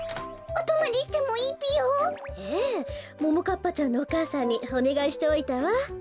ももかっぱちゃんのお母さんにおねがいしておいたわ。